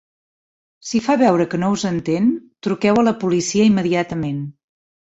Si fa veure que no us entén, truqueu a la policia immediatament”.